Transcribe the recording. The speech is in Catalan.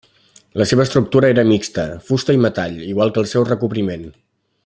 La seva estructura era mixta, fusta i metall, igual que el seu recobriment.